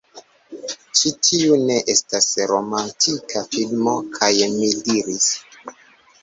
Ĉi tiu ne estas romantika filmo! kaj mi diris: